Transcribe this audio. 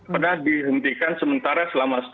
pernah dihentikan sementara selama setelah itu